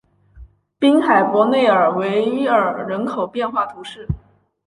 滨海伯内尔维尔人口变化图示